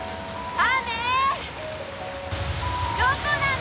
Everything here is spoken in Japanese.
雨！